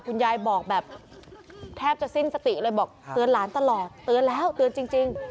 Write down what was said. คุณยายบอกแบบแทบจะสิ้นสติเลยบอกเตือนหลานตลอดเตือนแล้วเตือนจริง